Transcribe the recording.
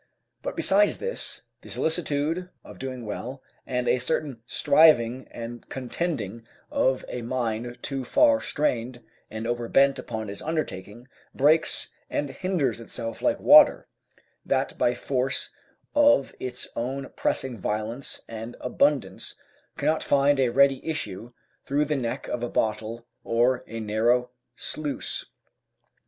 But besides this, the solicitude of doing well, and a certain striving and contending of a mind too far strained and overbent upon its undertaking, breaks and hinders itself like water, that by force of its own pressing violence and abundance, cannot find a ready issue through the neck of a bottle or a narrow sluice.